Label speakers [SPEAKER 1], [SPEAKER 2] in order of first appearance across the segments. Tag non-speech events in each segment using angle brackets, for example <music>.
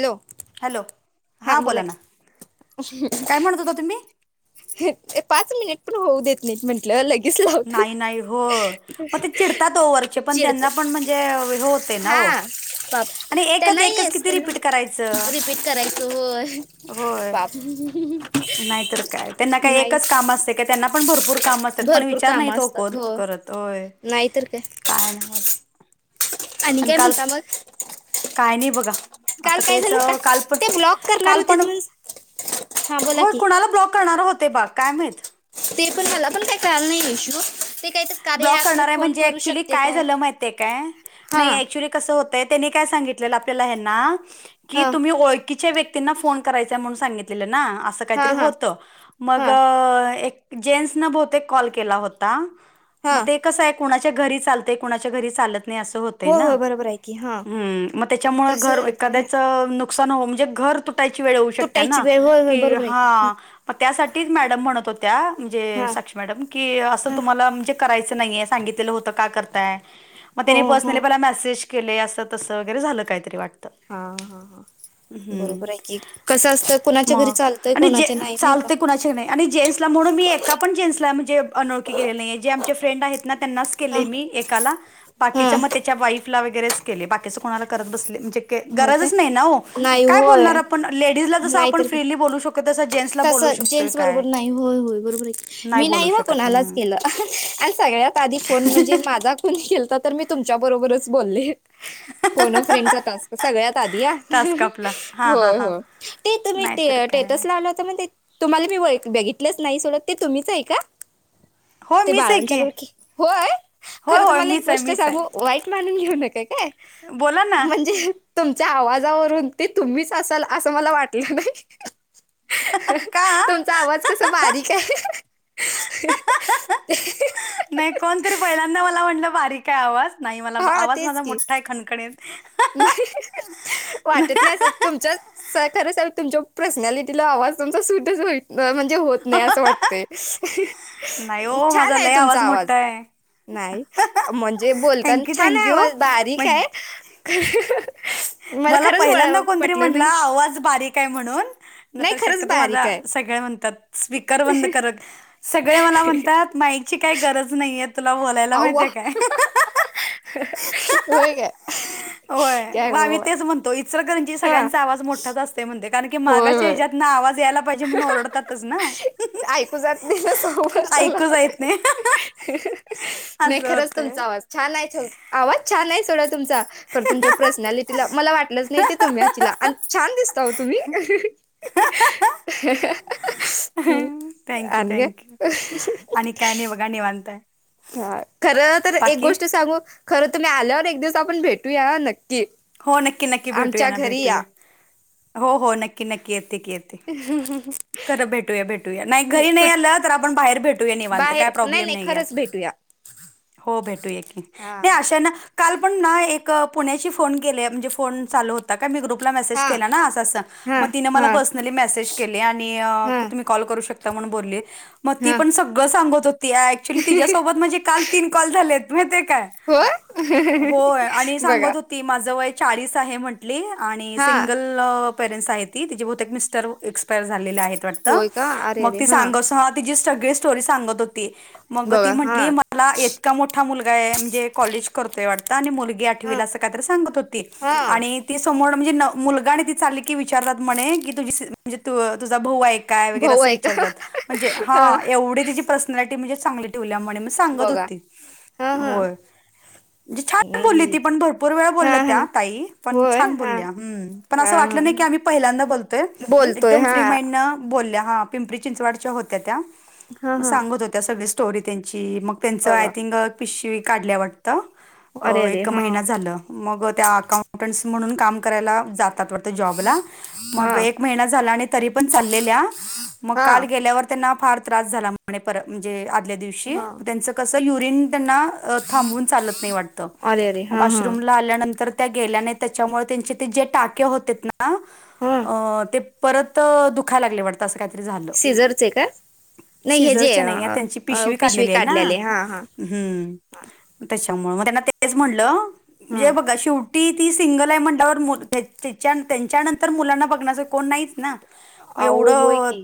[SPEAKER 1] Hello.
[SPEAKER 2] Hello. हा बोला ना. काय म्हणत होता तुम्ही?
[SPEAKER 1] पाच मिनिट पण होऊ देत. नाहीत म्हंटल्. लगेच लावत्यात.
[SPEAKER 2] नाही नाही हो मग ते चिडतात हो वरचे पण
[SPEAKER 1] चिडच
[SPEAKER 2] त्यांना पण म्हणजे हे होते ना हो
[SPEAKER 1] हा. बाप
[SPEAKER 2] आणि एकच
[SPEAKER 1] त्यांनाही
[SPEAKER 2] एकच
[SPEAKER 1] असत
[SPEAKER 2] किती रिपीट करायचं
[SPEAKER 1] रिपीट करायचं होय.
[SPEAKER 2] होय
[SPEAKER 1] पाप.
[SPEAKER 2] नाहीतर काय. त्यांना काय
[SPEAKER 1] नाही
[SPEAKER 2] एकच काम असते काय, त्यांना पण भरपूर काम असते. पण
[SPEAKER 1] भरपूर
[SPEAKER 2] विचार
[SPEAKER 1] कामं
[SPEAKER 2] नाहीत ओ
[SPEAKER 1] असतात
[SPEAKER 2] कोण
[SPEAKER 1] हो
[SPEAKER 2] करत. होय. काय नव्हच.
[SPEAKER 1] आणि काय म्हणता मग?
[SPEAKER 2] काय नाही बघा.
[SPEAKER 1] काल
[SPEAKER 2] आता
[SPEAKER 1] काय
[SPEAKER 2] तेच
[SPEAKER 1] झालं का
[SPEAKER 2] काल पण
[SPEAKER 1] ते ब्लॉक करणार
[SPEAKER 2] काल
[SPEAKER 1] होते
[SPEAKER 2] पण.
[SPEAKER 1] म्हण हा बोला
[SPEAKER 2] होय.
[SPEAKER 1] की
[SPEAKER 2] कुणाला ब्लॉक करणार होते बा. काय माहित.
[SPEAKER 1] ते पण मला पण काय कळायला नाही इशू. ते काही तर कार्य
[SPEAKER 2] ब्लॉक
[SPEAKER 1] ॲप मी
[SPEAKER 2] करणार आहे
[SPEAKER 1] फोन
[SPEAKER 2] म्हणजे
[SPEAKER 1] करू
[SPEAKER 2] क्चुली
[SPEAKER 1] शकते
[SPEAKER 2] काय झालं माहित आहे काय.
[SPEAKER 1] हां
[SPEAKER 2] नाही <unintelligible> कसं होतं त्यांनी काय सांगितलेलं आपल्याला ह्यांना, की
[SPEAKER 1] हां
[SPEAKER 2] तुम्ही ओळखीच्या व्यक्ती ना फोन करायचा म्हणून सांगितलं ना. अस काहीतरी
[SPEAKER 1] हां हां
[SPEAKER 2] होत. मग
[SPEAKER 1] हां
[SPEAKER 2] जेन्स ना बहतेक कॉल केला होता. मग
[SPEAKER 1] हां
[SPEAKER 2] ते कसं आहे कुणाच्या घरी चालंय, कुणाच्या घरी चालत नाही असं होतंय
[SPEAKER 1] होय
[SPEAKER 2] ना.
[SPEAKER 1] होय बरोबर आहे की हां
[SPEAKER 2] हम मग त्याच्यामुळं
[SPEAKER 1] तसं
[SPEAKER 2] घर
[SPEAKER 1] झालत व्हय
[SPEAKER 2] एखाद्याचं नको नुकसान हो. म्हणजे घर तुटायची वेळ होऊ शकते
[SPEAKER 1] तुटायची
[SPEAKER 2] ना.
[SPEAKER 1] वेळ होय होय
[SPEAKER 2] की
[SPEAKER 1] बरोबर आहे
[SPEAKER 2] हा. मग त्यासाठीच मॅडम म्हणत होत्या, म्हणजे
[SPEAKER 1] हा
[SPEAKER 2] साक्षी मॅडम की असं
[SPEAKER 1] हा
[SPEAKER 2] तुम्हाला म्हणजे करायचं नाही आहे घेतलेलं होतं, का करताय? मग
[SPEAKER 1] हो
[SPEAKER 2] त्यांनी
[SPEAKER 1] हो
[SPEAKER 2] पर्सनली पहिला मेसेज केले. असं तसं वगैरे झालं काहीतरी वाटत.
[SPEAKER 1] हा हा हा. बरोबर आहे की. कसं असतं कोणाच्या घरी
[SPEAKER 2] मग
[SPEAKER 1] चालतंय
[SPEAKER 2] आणि जे
[SPEAKER 1] कोणाच्या नाही नाही का.
[SPEAKER 2] चालते कुणाचे नाही आणि जेन्सला म्हणून मी एका पण जेन्सला म्हणजे अनोळखी केलेली नाही आहे. जे चे फ्रेंड आहेत ना, त्यांनाच
[SPEAKER 1] हा
[SPEAKER 2] केले मी एकाला.
[SPEAKER 1] हा
[SPEAKER 2] बाकीच्या मग त्याच्या वाईफला वगैरेच केले. बाकीचे कोणाला करत बसले नाही.
[SPEAKER 1] हो काय
[SPEAKER 2] गरजच नाही ना ओ.
[SPEAKER 1] नाही
[SPEAKER 2] काय बोलणार
[SPEAKER 1] होय
[SPEAKER 2] आपण? लेडीज ला जसं आपण फ्रीली बोलू शकतोय. तसं जेंट्सला
[SPEAKER 1] तस
[SPEAKER 2] बोलू
[SPEAKER 1] जेंट्स
[SPEAKER 2] काय
[SPEAKER 1] बरोबर नाही. होय होय बरोबर आहे. मी
[SPEAKER 2] बोलू
[SPEAKER 1] नाही बा
[SPEAKER 2] शकत
[SPEAKER 1] कोणालाच केलं.
[SPEAKER 2] आहे
[SPEAKER 1] आणि सगळ्यात आधी फोन म्हणजे माझा कोण केल तर तर मी तुमच्या बरोबरच बोलले. फोन अ फ्रेंड चा टास्क. सगळ्यात आधी हा.
[SPEAKER 2] टास्क आपला हां
[SPEAKER 1] हो
[SPEAKER 2] हां हां
[SPEAKER 1] हो. ते तुम्ही ते
[SPEAKER 2] नाहीतर काय
[SPEAKER 1] स्टेटसला त्याच्यामध्ये तुम्हाला मी बघितलंच नाही सोडा. ते तुम्हीच आहे का?
[SPEAKER 2] हो
[SPEAKER 1] ते
[SPEAKER 2] मीच आहे
[SPEAKER 1] बाळांच्या
[SPEAKER 2] की
[SPEAKER 1] बरोबर. होय.
[SPEAKER 2] होय
[SPEAKER 1] खरं
[SPEAKER 2] होय
[SPEAKER 1] तुम्हाला एक
[SPEAKER 2] मीच आहे
[SPEAKER 1] गोष्ट
[SPEAKER 2] मीच
[SPEAKER 1] सांगू?
[SPEAKER 2] आहे
[SPEAKER 1] वाईट मानून घेऊ नका काय.
[SPEAKER 2] बोला ना.
[SPEAKER 1] म्हणजे तुमच्या आवाजावरून ते तुम्हीच असाल असं मला वाटलं नाही.
[SPEAKER 2] का
[SPEAKER 1] तुमचा आवाज कसा बारीक आहे. <unintelligible>
[SPEAKER 2] नाही कोणतरी पहिल्यांदा मला म्हटलं बारीक आहे आवाज. नाही मला
[SPEAKER 1] हा
[SPEAKER 2] आवाज
[SPEAKER 1] तेच
[SPEAKER 2] माझा
[SPEAKER 1] की
[SPEAKER 2] मोठा आहे खणखणीत.
[SPEAKER 1] वाटत नाही अस तुमच्या खरं सांगू तुमच्या पर्सनॅलिटीला आवाज तुमचा सूटच हो म्हणजे होत नाही असं वाटतय.
[SPEAKER 2] नाही ओ
[SPEAKER 1] छान
[SPEAKER 2] माझा
[SPEAKER 1] आहे
[SPEAKER 2] लय
[SPEAKER 1] तुमचा आवाज,
[SPEAKER 2] मोठा आहे
[SPEAKER 1] नाही म्हणजे बोलताना
[SPEAKER 2] थँक्यू
[SPEAKER 1] छान आहे
[SPEAKER 2] थँक्यू
[SPEAKER 1] आवाज, बारीक
[SPEAKER 2] मग
[SPEAKER 1] आहे.
[SPEAKER 2] मला
[SPEAKER 1] खरंच
[SPEAKER 2] पहिल्यांदा
[SPEAKER 1] वळ-
[SPEAKER 2] कोणतरी
[SPEAKER 1] पटलं
[SPEAKER 2] म्हणला,
[SPEAKER 1] नाही
[SPEAKER 2] आवाज बारीक आहे म्हणून नाही तर
[SPEAKER 1] खरंच
[SPEAKER 2] शक्यतो माझा
[SPEAKER 1] बारीक आहे
[SPEAKER 2] सगळे म्हणतात, स्पीकर बंद कर. सगळे मला म्हणतात माईकची, काही गरज नाहीये तुला बोलायला.
[SPEAKER 1] अव्वा
[SPEAKER 2] माहिती काय?
[SPEAKER 1] होय काय?
[SPEAKER 2] होय
[SPEAKER 1] क्या
[SPEAKER 2] मग आम्ही
[SPEAKER 1] करू काय?
[SPEAKER 2] तेच म्हणतो इचलकरंजी
[SPEAKER 1] हा
[SPEAKER 2] सगळ्यांचा आवाज मोठाच असते म्हणते कारण की,
[SPEAKER 1] होय
[SPEAKER 2] मागाच्या
[SPEAKER 1] होय
[SPEAKER 2] ह्याच्यात आवाज यायला पाहिजे म्हणून ओरडतातच ना
[SPEAKER 1] ऐकू जात नाही ना, समोरच्याला.
[SPEAKER 2] ऐकूच येत नाही
[SPEAKER 1] नाही
[SPEAKER 2] असं
[SPEAKER 1] खरंच
[SPEAKER 2] होतंय
[SPEAKER 1] तुमचा आवाज छान आहे. छ आवाज छान आहे सोडा तुमचा. खरं तुमच्या पर्सनॅलिटीला मला वाटलंच नाही ते तुम्ही असचीला आणि छान दिसता हो तुम्ही.
[SPEAKER 2] थँक्यू
[SPEAKER 1] आणि काय?
[SPEAKER 2] थँक्यू. आणि काय नाही बघा निवांत आहे.
[SPEAKER 1] हा. खरं तर एक
[SPEAKER 2] बाकी
[SPEAKER 1] गोष्ट सांगू, खरं तुम्ही आल्यावर एक दिवस आपण भेटूया हा नक्की.
[SPEAKER 2] हो, नक्की नक्की भेटूया
[SPEAKER 1] आमच्या
[SPEAKER 2] ना
[SPEAKER 1] घरी या
[SPEAKER 2] भेटूया. हो हो, नक्की नक्की येते की येते.
[SPEAKER 1] ह ह ह.
[SPEAKER 2] खरं भेटूया, भेटूया. नाही, घरी नाही आलं तर आपण बाहेर भेटूया निवांत. काय प्रॉब्लेम ना
[SPEAKER 1] ए खरंच भेटूया.
[SPEAKER 2] हो, भेटूया की.
[SPEAKER 1] हा
[SPEAKER 2] नाही अशा ना काल पण ना एक पुण्याची फोन केले म्हणजे फोन चालू होता का मी ग्रुप तूला मेसेज
[SPEAKER 1] हा
[SPEAKER 2] केला ना, असं असं
[SPEAKER 1] हा
[SPEAKER 2] मग तिनं मला
[SPEAKER 1] हा
[SPEAKER 2] पर्सनली मेसेज केले आणि
[SPEAKER 1] हा
[SPEAKER 2] तुम्ही कॉल करू शकता म्हणून बोलले मग ती
[SPEAKER 1] हा
[SPEAKER 2] पण सगळं सांगत होती. ऍक्च्युली तिच्यासोबत म्हणजे काल तीन कॉल झालेत माहितीये काय?
[SPEAKER 1] होय, बघा.
[SPEAKER 2] ती माझं वय चाळीस आहे म्हंटली आणि
[SPEAKER 1] हा
[SPEAKER 2] सिंगल पेरेंट्स आहे. तिचे बहूतेक मिस्टर, एक्सपायर झालेले आहेत. वाटतं,
[SPEAKER 1] होय का अरे
[SPEAKER 2] मग
[SPEAKER 1] अरे
[SPEAKER 2] ती सांग हा तिची सगळी स्टोरी सांगत होती. ती
[SPEAKER 1] बघा हा
[SPEAKER 2] म्हंटली मला इतका मोठा मुलगा आहे म्हणजे कॉलेज करतोय वाटतं आणि मुलगी आठ
[SPEAKER 1] हा
[SPEAKER 2] काहीतरी सांगत होती
[SPEAKER 1] हा
[SPEAKER 2] आणि ती समोरनं म्हणजे न मुलगाने ती चालली की विचारतात म्हणे की, तुझी म्हणजे त तुझा भाऊ आहे काय वगैरे
[SPEAKER 1] भाऊ
[SPEAKER 2] असं
[SPEAKER 1] आहे का
[SPEAKER 2] विचारतात. म्हणजे हा, एवढी तिची पर्सनॅलिटी म्हणजे चांगली ठेवली म्हणे. सांगत
[SPEAKER 1] बघा
[SPEAKER 2] होती,
[SPEAKER 1] हा हा
[SPEAKER 2] होय. म्हणजे छान बोलली
[SPEAKER 1] नाही
[SPEAKER 2] ती
[SPEAKER 1] की.
[SPEAKER 2] पण भरपुर बरं
[SPEAKER 1] हा
[SPEAKER 2] बोलल्या,
[SPEAKER 1] हा
[SPEAKER 2] त्या ताई. पण
[SPEAKER 1] होय
[SPEAKER 2] छान
[SPEAKER 1] हा
[SPEAKER 2] बोलल्या हम् पण
[SPEAKER 1] हा
[SPEAKER 2] असं वाटलं
[SPEAKER 1] हा
[SPEAKER 2] नाही की आम्ही पहिल्यांदा बोलतोय
[SPEAKER 1] बोलतोय
[SPEAKER 2] एकदम
[SPEAKER 1] हा.
[SPEAKER 2] फ्री माइंडनं बोलल्या, हा. पिंपरी चिंचवडच्या होत्या त्या.
[SPEAKER 1] हा
[SPEAKER 2] मग
[SPEAKER 1] हा
[SPEAKER 2] सांगत होत त्या सगळी स्टोरी त्यांची. मग त्यांचं आय
[SPEAKER 1] बघा
[SPEAKER 2] थिंक पिशवी काढल्या वाट तं
[SPEAKER 1] अरे अरे
[SPEAKER 2] एक
[SPEAKER 1] हा
[SPEAKER 2] महिना झालं. मग त्या अकाउंटंस् म्हणून काम करायला जातात जॉबला
[SPEAKER 1] हा
[SPEAKER 2] मग एक महिना झाला आणि तरी पण चाललेल्या. मग
[SPEAKER 1] हा
[SPEAKER 2] काल गेल्यावर त्यांना फार त्रास झाला म्हणे पर म्हणजे आदल्या दिवशी,
[SPEAKER 1] हा
[SPEAKER 2] त्यांचं कसं युरिन त्यांना थांबवून चालत नाही वाट तं
[SPEAKER 1] अरे अरे हा हा
[SPEAKER 2] वाशरूमला आल्यानंतर त्या गेल्या नाहीत. त्याच्यामूळं त्यांचे जे टाके होतेत ना ना,
[SPEAKER 1] हा
[SPEAKER 2] अ.. ते परत दुखायला लागले वाटत असं काहीतरी झालं.
[SPEAKER 1] सिझरचे का नाही हे जे
[SPEAKER 2] शिजरचे नाहीये,
[SPEAKER 1] अ,
[SPEAKER 2] त्यांची
[SPEAKER 1] अ,
[SPEAKER 2] पिशवी काढलेली आहे ना.
[SPEAKER 1] काढल्याले हा हा
[SPEAKER 2] हम् त्याच्यामुळं. मग त्यांना तेच म्हटलं जे
[SPEAKER 1] हा
[SPEAKER 2] हे बघा शिव टी, ती सिंगल आहे म्हणल्यावर मो त्यांच्या नंतर मुलांना बघण्याच कोण नाहीच ना. मग
[SPEAKER 1] अहो होय
[SPEAKER 2] एवढं
[SPEAKER 1] की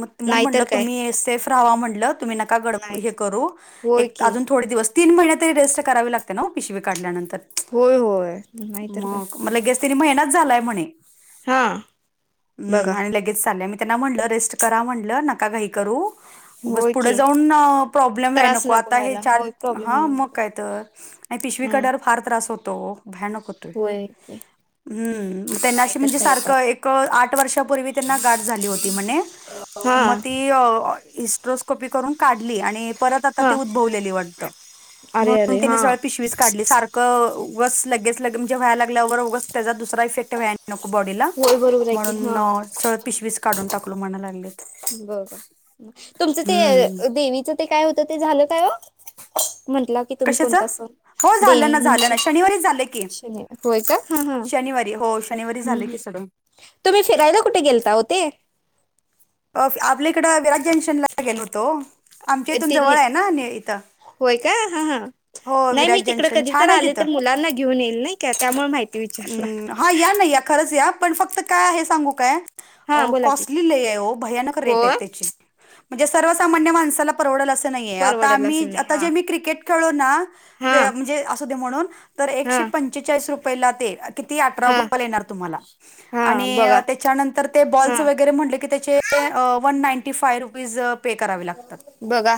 [SPEAKER 2] म त म्हणून
[SPEAKER 1] नाहीतर
[SPEAKER 2] म्हटलं
[SPEAKER 1] काय
[SPEAKER 2] तुम्ही सेफ राव्हा म्हणलं तुम्ही नका गडब
[SPEAKER 1] नाही
[SPEAKER 2] हे करू
[SPEAKER 1] होय
[SPEAKER 2] एक त
[SPEAKER 1] की
[SPEAKER 2] अजून थोडे दिवस तीन महिने तरी रेस्ट करावी लागते ना पिशवी काढल्यानंतर
[SPEAKER 1] होय, होय नाहीतर काय
[SPEAKER 2] तरी आणि महिनाच झालाय म्हणे
[SPEAKER 1] हा बघा
[SPEAKER 2] आणि लगे <unintelligible> मी त्यांना म्हणलं रेस्ट करा म्हणलं नका घाई करू बस
[SPEAKER 1] होय
[SPEAKER 2] पुढे
[SPEAKER 1] की
[SPEAKER 2] जाऊन प्रॉब्लेम व्हाय
[SPEAKER 1] त्रास
[SPEAKER 2] नको आता हे
[SPEAKER 1] व्हायला
[SPEAKER 2] चार
[SPEAKER 1] होय प्रॉब्लेम
[SPEAKER 2] हा
[SPEAKER 1] व्हायला
[SPEAKER 2] मग
[SPEAKER 1] नको
[SPEAKER 2] काय तर आणि नाई पिशवी
[SPEAKER 1] हा
[SPEAKER 2] काढल्यावर फार त्रास होतो भयानक होत
[SPEAKER 1] होय की
[SPEAKER 2] हम्म त्यांनाशी
[SPEAKER 1] नाहीतर
[SPEAKER 2] म्हणजे
[SPEAKER 1] काय
[SPEAKER 2] सारखं
[SPEAKER 1] बाप
[SPEAKER 2] एक आठ वर्षापूर्वी त्यांना गाठ झाली होती म्हणे
[SPEAKER 1] हा
[SPEAKER 2] म ती इस्ट्रोस्कोपी करून काढली आणि परत आता
[SPEAKER 1] हा
[SPEAKER 2] ती उद्भवलेली वाटतं
[SPEAKER 1] अरे
[SPEAKER 2] म्हणून
[SPEAKER 1] अरे
[SPEAKER 2] त्यांनी
[SPEAKER 1] हा
[SPEAKER 2] सर पिशवीच काढली सारखं उगाच लगेच लगे म्हणजे व्हाय लागल्यावर मग त्याचा दुसरा इफेक्ट व्हाय न नको बॉडीला
[SPEAKER 1] होय बरोबर आहे की हा
[SPEAKER 2] म्हणून सरळं पिशवीस काढून टाकलो म्हणाय लागलेत
[SPEAKER 1] बर, बर तुमचं
[SPEAKER 2] हम्म
[SPEAKER 1] ते देवीच ते काय होत ते झालं काय म्हटला की तुम्ही
[SPEAKER 2] कशाच
[SPEAKER 1] कोणता सण
[SPEAKER 2] हो झालं ना
[SPEAKER 1] देवी
[SPEAKER 2] झालं ना शनिवारीच झालं की
[SPEAKER 1] शन होय का हा, हा
[SPEAKER 2] शनवारी झालं की सडून
[SPEAKER 1] तुम्ही फिरायला कुठे गेलता ओ ते
[SPEAKER 2] अ आपल्या इकडं विराज जंक्शनला गेलो होतो ओ आमच्या इथून
[SPEAKER 1] ते
[SPEAKER 2] जवळ आहे ना इथं
[SPEAKER 1] होय काय हा, हा
[SPEAKER 2] हो
[SPEAKER 1] नाही मी
[SPEAKER 2] विराज
[SPEAKER 1] तिकड
[SPEAKER 2] जंक्शन
[SPEAKER 1] कधी तर
[SPEAKER 2] छान आहे
[SPEAKER 1] आले
[SPEAKER 2] तिथं
[SPEAKER 1] तर मुलांना घेऊन येईल नाही का त्यामुळे माहिती विचारलं
[SPEAKER 2] अं, हा या ना या खरंच या पण फक्त काय आहे सांगू काय
[SPEAKER 1] हा बोला की
[SPEAKER 2] कॉस्टली लई आहे ओ भयानक रेट आहेत
[SPEAKER 1] होय
[SPEAKER 2] त्याचे म्हणजे सर्वसामान्य माणसाला परवडल असं नाहीये आता
[SPEAKER 1] परवडल
[SPEAKER 2] आम्ही
[SPEAKER 1] असेल नाही
[SPEAKER 2] आता जे
[SPEAKER 1] हा
[SPEAKER 2] मी क्रिकेट <unintelligible>
[SPEAKER 1] हा
[SPEAKER 2] म्हणजे असुदे म्हणून तर एकशे
[SPEAKER 1] हा
[SPEAKER 2] पंचेचाळीस रुपयेला ते किती अठरा
[SPEAKER 1] हा
[SPEAKER 2] बॉल येणार तुम्हाला
[SPEAKER 1] हा
[SPEAKER 2] आणि
[SPEAKER 1] बघा
[SPEAKER 2] त्याच्यानंतर ते
[SPEAKER 1] हा
[SPEAKER 2] बॉल्स वगैरे म्हटले की त्याचे one ninety five rupees pay करावे लाग तात
[SPEAKER 1] बघा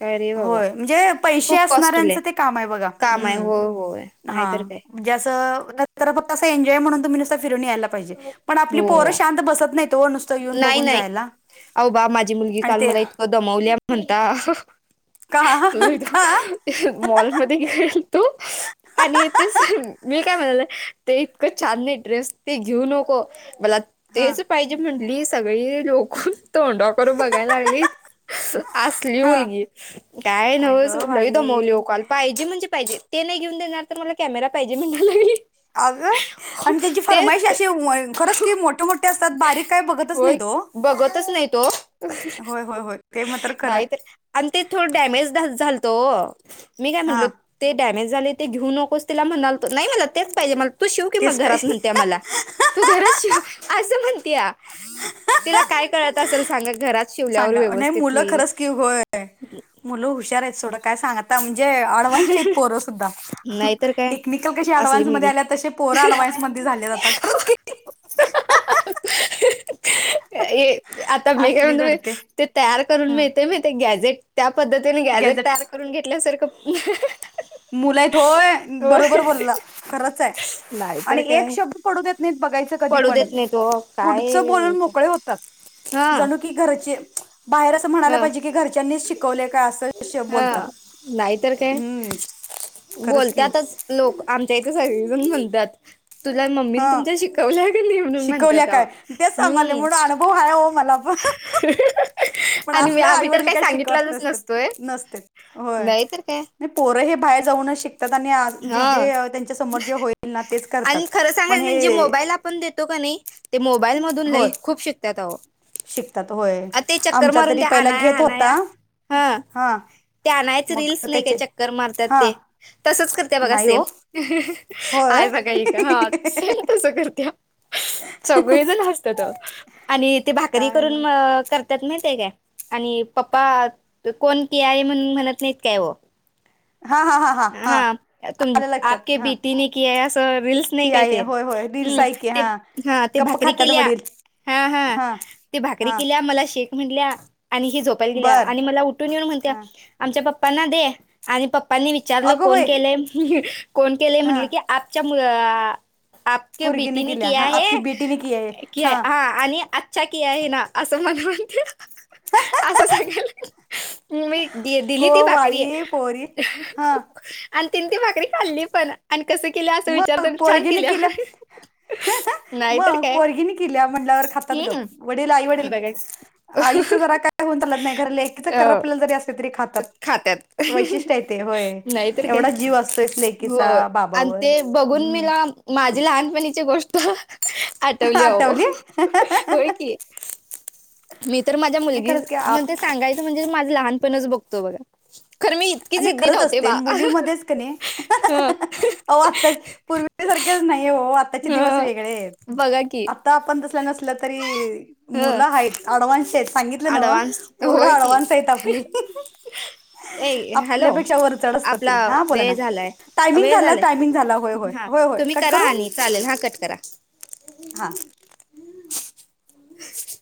[SPEAKER 1] काय रे बाबा
[SPEAKER 2] होय म्हणजे पैस
[SPEAKER 1] खूप कॉस्टली
[SPEAKER 2] असण्याऱ्याचं ते काम आहे बघा
[SPEAKER 1] काम आहे होय होय
[SPEAKER 2] हम्म हा
[SPEAKER 1] नाहीतर काय
[SPEAKER 2] म्हणजे असं नंतर एंजॉय म्हणून तुम्ही नुसत फिरून यायला पाहिजे पण आपली
[SPEAKER 1] हो
[SPEAKER 2] पोर शांत बसत नाहीत ओ नुसतं येऊन
[SPEAKER 1] नाही
[SPEAKER 2] बघून
[SPEAKER 1] नाही
[SPEAKER 2] जायला
[SPEAKER 1] अहो बा माझी मुलगी
[SPEAKER 2] आणि
[SPEAKER 1] काल
[SPEAKER 2] ते
[SPEAKER 1] मला इतकं दमवली म्हणता
[SPEAKER 2] का,
[SPEAKER 1] आलो
[SPEAKER 2] का
[SPEAKER 1] होतो मॉलमध्ये गेलतो आणि तेच मी काय म्हणाले ते इतकं छान नाई ड्रेस ते घेऊ नको मला
[SPEAKER 2] हा
[SPEAKER 1] तेच पाहिजे म्हटली सगळी लोक तोंडाकड बघायला लागलीत असली
[SPEAKER 2] हा
[SPEAKER 1] मुलगी काय नव्हच
[SPEAKER 2] अगं
[SPEAKER 1] लय दमवली
[SPEAKER 2] बाई
[SPEAKER 1] ओ काल पाहिजे म्हणजे पाहिजे ते नाही घेऊन देणार तर मला कॅमेरा पाहिजे म्हणायला लागली
[SPEAKER 2] अगं आणि त्यांची
[SPEAKER 1] ते
[SPEAKER 2] फरमाईशी अशी खरच की मोठे, मोठे असतात बारीक काय बघतच नाही
[SPEAKER 1] होय
[SPEAKER 2] तो
[SPEAKER 1] बघतच नाहीत ओ
[SPEAKER 2] होय होय होय ते मात्र खरं आहे
[SPEAKER 1] नाहीतर आणि ते थोडं डॅमेज झालत ओ मी काय म्हणलो
[SPEAKER 2] हा
[SPEAKER 1] ते डॅमेज झालय ते घेऊ नकोस तिला म्हणालतो नाही मला तेच पाहिजे मला तू शिउ की मग
[SPEAKER 2] तेच
[SPEAKER 1] घरात
[SPEAKER 2] पाहिजे
[SPEAKER 1] म्हणतिया मला तू घरात शिउ असं म्हणतिया तिला काय कळत असेल सांगा घरात शिवल्यावर
[SPEAKER 2] सांगा नाही
[SPEAKER 1] व्यवस्थित
[SPEAKER 2] मुलं
[SPEAKER 1] होईल
[SPEAKER 2] खरंच की होय मुलं हुशार आहेत सोडा काय सांगता म्हणजे आ अडवान्सशी आहेत पोर सुद्धा,
[SPEAKER 1] नाहीतर काय
[SPEAKER 2] टेकनिकल कशी
[SPEAKER 1] असली
[SPEAKER 2] अडवान्स मध्ये
[SPEAKER 1] मुलगी
[SPEAKER 2] आलेत तशे पोर अडवान्स मध्ये झालेत आता. खरंच की
[SPEAKER 1] हाहाहाहा ये एक की आता मी काय
[SPEAKER 2] असली
[SPEAKER 1] म्हणतोय माहितेय
[SPEAKER 2] धडते
[SPEAKER 1] ते तयार करून
[SPEAKER 2] हं
[SPEAKER 1] मिळतेय माहितेय गॅझेट त्या पद्धतीने गॅजेट
[SPEAKER 2] गॅझेट
[SPEAKER 1] तयार करून घेतल्यासारखं,
[SPEAKER 2] मुल आहेत होय,
[SPEAKER 1] हो
[SPEAKER 2] बरोबर बोलला खरंच आहे.
[SPEAKER 1] नाही तर
[SPEAKER 2] आणि एक
[SPEAKER 1] काय
[SPEAKER 2] शब्द पडू देत नाहीत बघायचं कधी
[SPEAKER 1] पडू
[SPEAKER 2] पण
[SPEAKER 1] देत नाही तो काय
[SPEAKER 2] पुढचं बोलून मोकळे होतात.
[SPEAKER 1] हा
[SPEAKER 2] जणू की घरचे, बाहेर असं म्हणायला
[SPEAKER 1] हा
[SPEAKER 2] पाहिजे की घरच्यांनीच शिकवलेय काय असं. श
[SPEAKER 1] हा
[SPEAKER 2] बोलतात
[SPEAKER 1] नाहीतर-
[SPEAKER 2] हम्म खरंच की
[SPEAKER 1] बोलत्यातच लोक आमच्या इथे सगळीजण म्हणत्यात. तुला मम्मीन
[SPEAKER 2] हा
[SPEAKER 1] तुमच्या शिकवल्याकणी म्हणून
[SPEAKER 2] शिकवल्या
[SPEAKER 1] म्हणत्यात अहो,
[SPEAKER 2] काय तेच सांगाले
[SPEAKER 1] हम्म
[SPEAKER 2] म्हणून अनुभव आहे हो मला पण पण
[SPEAKER 1] आणि मी
[SPEAKER 2] असलं आई
[SPEAKER 1] आम्ही तर
[SPEAKER 2] वडील
[SPEAKER 1] काही
[SPEAKER 2] काय शिकवत
[SPEAKER 1] सांगितल्यालोच नसतोय.
[SPEAKER 2] नसतात नसते होय
[SPEAKER 1] नाहीतर,
[SPEAKER 2] पोरं हे बाहेर जाऊनच शिकतात आणि म्हणजे
[SPEAKER 1] हा
[SPEAKER 2] जे त्यांच्या समोर जे होईल ना तेच करतात.
[SPEAKER 1] आणि खरं
[SPEAKER 2] पण
[SPEAKER 1] सांगायच म्हणजे
[SPEAKER 2] हे
[SPEAKER 1] मोबाईल आपण देतो काय नाही. ते मोबाईल मधून
[SPEAKER 2] होय
[SPEAKER 1] लई खूप शिकत्यात आहो.
[SPEAKER 2] शिकतात होय
[SPEAKER 1] अ ते चक्कर
[SPEAKER 2] आमचा
[SPEAKER 1] मारून
[SPEAKER 2] तरी
[SPEAKER 1] ते
[SPEAKER 2] पहिला
[SPEAKER 1] आनाया
[SPEAKER 2] घेत होता
[SPEAKER 1] आनाया, हा ते आणायच
[SPEAKER 2] मग
[SPEAKER 1] रील्स नाही काय
[SPEAKER 2] त्याचे
[SPEAKER 1] चक्कर
[SPEAKER 2] हा
[SPEAKER 1] मारतात. तसच करत्या बघा
[SPEAKER 2] नाही
[SPEAKER 1] सेम,
[SPEAKER 2] हो होय
[SPEAKER 1] आहेय बघा इथं. सेम तस करत्या. सगळीजण हसत्यात अहो आणि ते भाकरी
[SPEAKER 2] काय
[SPEAKER 1] करून
[SPEAKER 2] न
[SPEAKER 1] मग त्यात माहिताय काय आणि पप्पा कोण किया आहे म्हण म्हणत नाहीत काय ओ.
[SPEAKER 2] हा हा हा हा हा
[SPEAKER 1] तुम
[SPEAKER 2] आलं लक्षात
[SPEAKER 1] आपके
[SPEAKER 2] हा
[SPEAKER 1] बेटीने किया है अस रीलस नाही
[SPEAKER 2] की
[SPEAKER 1] काय
[SPEAKER 2] आई
[SPEAKER 1] ते
[SPEAKER 2] होय होय रीलस
[SPEAKER 1] हम्म
[SPEAKER 2] आहे की
[SPEAKER 1] ते, हा ते
[SPEAKER 2] गप्प
[SPEAKER 1] भाकरी
[SPEAKER 2] खात्यात
[SPEAKER 1] केल्या.
[SPEAKER 2] वडील
[SPEAKER 1] हा हा ते भाकरी
[SPEAKER 2] हा
[SPEAKER 1] केल्या मला शेक म्हटल्या आणि हि झोपायला गेल्या
[SPEAKER 2] बर
[SPEAKER 1] आणि मला उठ- उघडुन येउन म्हणत्या.
[SPEAKER 2] हा
[SPEAKER 1] आमच्या पप्पांना दे, आणि पप्पांनी विचारलं
[SPEAKER 2] अगो
[SPEAKER 1] कोण
[SPEAKER 2] बाई
[SPEAKER 1] केलंय कोण केलंय
[SPEAKER 2] हा
[SPEAKER 1] म्हटलं की, आपच्या मूळ आं, आपके
[SPEAKER 2] पोरगीने
[SPEAKER 1] बेटीने
[SPEAKER 2] केल्या
[SPEAKER 1] किया
[SPEAKER 2] हा आपकी
[SPEAKER 1] है
[SPEAKER 2] बेटीने किया है
[SPEAKER 1] कि हा. आणि अच्छा किया है ना असं मला म्हणत्या. असं सांगाय लागल्या. मी दि दिली
[SPEAKER 2] गो
[SPEAKER 1] ती भाकरी,
[SPEAKER 2] बाई पोरी हा
[SPEAKER 1] आणि तिन ती भाकरी खाल्ली पण. आणि कसं केल्या असं
[SPEAKER 2] मग
[SPEAKER 1] विचारतान छान
[SPEAKER 2] पोरगीने
[SPEAKER 1] केल्या म्हण.
[SPEAKER 2] मग पोरगीन केल्या म्हटल्यावर खातात
[SPEAKER 1] हम्म
[SPEAKER 2] गप्प वडील आई वडील ग,
[SPEAKER 1] बघा
[SPEAKER 2] आईच जरा काय होऊन चालत नाही, खर लेकीच
[SPEAKER 1] अ,
[SPEAKER 2] करापलल जरी असते तरी खात.
[SPEAKER 1] खात्यात
[SPEAKER 2] वैशिष्ट्य आहे ते होय,
[SPEAKER 1] नाहीतर काय
[SPEAKER 2] एवढा जीव असतोयच
[SPEAKER 1] हो
[SPEAKER 2] लेकीचा
[SPEAKER 1] आणि
[SPEAKER 2] बाबावर.
[SPEAKER 1] ते बघून
[SPEAKER 2] हम्म
[SPEAKER 1] मीला माझी लहानपणीची गोष्ट आठवली अहो, होय की. मी तर माझ्या मुलगी
[SPEAKER 2] खरंच की
[SPEAKER 1] म्हण
[SPEAKER 2] आप
[SPEAKER 1] सांगायचं म्हणजे माझं लहानपणच बघतो बघा, खर मी इतकी
[SPEAKER 2] आणि
[SPEAKER 1] जिद्दी
[SPEAKER 2] खरंच
[SPEAKER 1] नव्हते
[SPEAKER 2] असते
[SPEAKER 1] बा.
[SPEAKER 2] मुलीमध्येच क नाही
[SPEAKER 1] हा
[SPEAKER 2] अहो आत्ता पूर्वीसारखेच नाही हो, आत्ताचे दिवस
[SPEAKER 1] ह
[SPEAKER 2] वेगळेत.
[SPEAKER 1] बघा की
[SPEAKER 2] आता आपण तसलं नसलं तरी,
[SPEAKER 1] ह
[SPEAKER 2] मुलं आहेत अडवान्सची आहेत सांगितलं नव्ह.
[SPEAKER 1] अडव्हान्स
[SPEAKER 2] पोर
[SPEAKER 1] होय की
[SPEAKER 2] अँडव्हान्स आहेत आपली.
[SPEAKER 1] ए हॅलो
[SPEAKER 2] आपल्यापेक्षा वर चढ
[SPEAKER 1] आपला
[SPEAKER 2] असताती, हा बोला ना
[SPEAKER 1] वेळ झालाय
[SPEAKER 2] टायमिंग
[SPEAKER 1] वेळ
[SPEAKER 2] झाला टाय
[SPEAKER 1] झालाय
[SPEAKER 2] टायमिंग झाला, होय होय
[SPEAKER 1] हा
[SPEAKER 2] होय
[SPEAKER 1] तुम्ही
[SPEAKER 2] कट
[SPEAKER 1] करा
[SPEAKER 2] करू?
[SPEAKER 1] आणि चालेल हा कट करा.
[SPEAKER 2] हां.